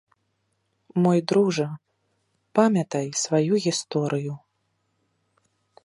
Мой дружа, памятай сваю гісторыю.